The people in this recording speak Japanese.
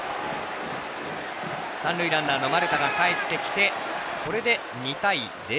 三塁ランナーの丸田がかえってきて、これで２対０。